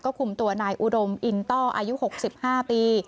คุมตัวนายอุดมอินต้ออายุ๖๕ปี